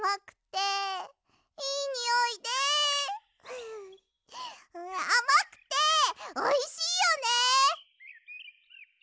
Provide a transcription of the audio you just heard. フフッあまくておいしいよね。